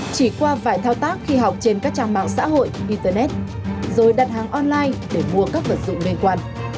chỉ qua vài thao tác khi học trên các trang mạng xã hội internet rồi đặt hàng online để mua các vật dụng liên quan